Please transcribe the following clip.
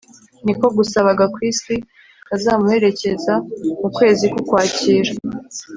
Ni ko gusaba gakwisi kuzamuherekeza mukwezi ku’ukwakira